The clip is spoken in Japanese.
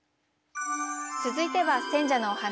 続いては選者のお話。